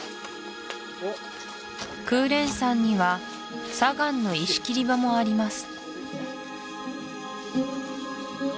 クーレン山には砂岩の石切り場もあります